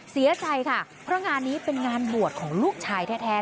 เสียใจค่ะเพราะงานนี้เป็นงานบวชของลูกชายแท้